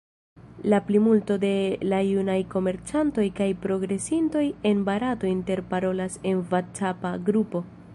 La plimulto de la junaj komencantoj kaj progresintoj en Barato interparolas en vacapa grupo.